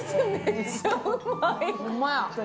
ほんまや。